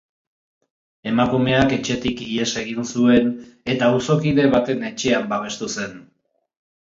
Emakumeak etxetik ihes egin zuen eta auzokide baten etxean babestu zen.